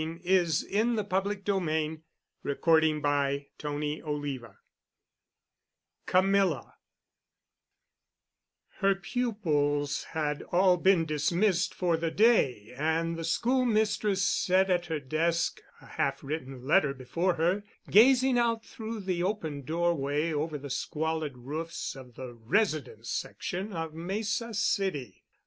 I'll sign. Are you ready to make a settlement?" *CHAPTER II* *CAMILLA* Her pupils had all been dismissed for the day and the schoolmistress sat at her desk, a half written letter before her, gazing out through the open doorway over the squalid roofs of the "residence section" of Mesa City.